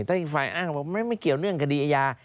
ถ้าอีกฝ่ายอ้างบอกไม่เกี่ยวเรื่องคดีอาญา